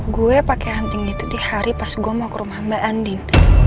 gue pakai anting itu di hari pas gue mau ke rumah mbak andin